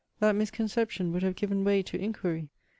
That misconception would have given way to inquiry!